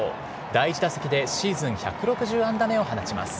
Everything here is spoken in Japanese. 第１打席でシーズン１６０安打目を放ちます。